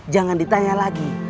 jangan ditanya lagi